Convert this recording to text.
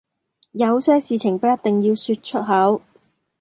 有些事情不一定要說出口